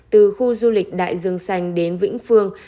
từ khu du lịch đại dương xanh đến vĩnh phương